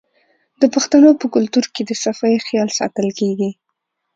د پښتنو په کلتور کې د صفايي خیال ساتل کیږي.